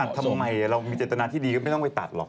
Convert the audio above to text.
ทำไมเรามีเจตนาที่ดีก็ไม่ต้องไปตัดหรอก